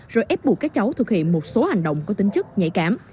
thích buộc các cháu thực hiện một số hành động có tính chức nhạy cảm